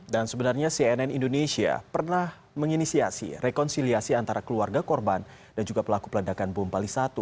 dan sebenarnya cnn indonesia pernah menginisiasi rekonsiliasi antara keluarga korban dan juga pelaku pelandakan bumpali satu